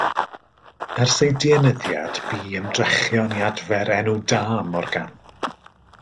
Ers ei dienyddiad, bu ymdrechion i adfer enw da Morgan.